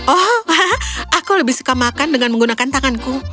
oh aku lebih suka makan dengan menggunakan tanganku